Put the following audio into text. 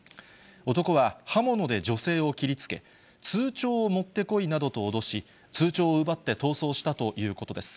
男は刃物で女性を切りつけ、通帳を持ってこいなどと脅し、通帳を奪って逃走したということです。